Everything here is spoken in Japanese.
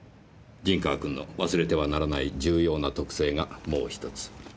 陣川君の忘れてはならない重要な特性がもう１つ。